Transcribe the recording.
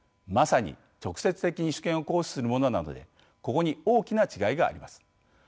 まさに直接的に主権を行使するものなのでここに大きな違いがあります。